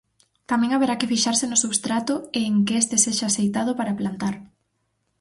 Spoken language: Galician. Tamén haberá que fixarse no substrato e en que este sexa axeitado para plantar.